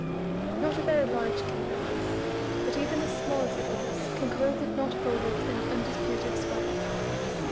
Not a very large kingdom this, but even as small as it was, King Coel did not hold it in undisputed sway.